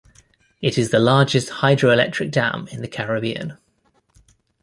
It is the largest hydroelectric dam in the Caribbean.